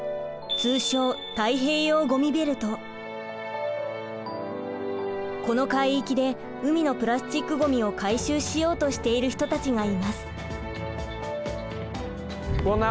通称この海域で海のプラスチックごみを回収しようとしている人たちがいます。